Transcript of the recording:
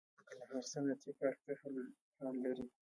د کندهار صنعتي پارک څه حال لري؟